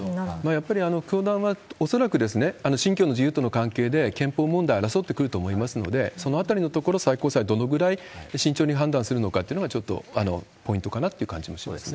やっぱり教団は、恐らく、信教の自由との関係で、憲法問題争ってくると思いますので、そのあたりのところ、最高裁、どのぐらい慎重に判断するのかというのが、ちょっとポイントかなっていう感じもしますね。